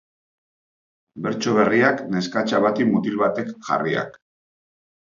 Bertso berriak, neskatxa bati mutil batek jarriak.